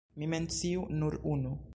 Mi menciu nur unu.